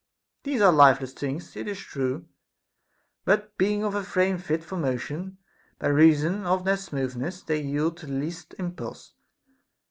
These are life less things, it is true ; but being of a frame fit for motion, by reason of their smoothness, they yield to the least im pulse.